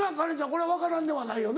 これは分からんではないよね？